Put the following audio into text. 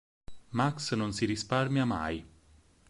Max non si risparmia mai!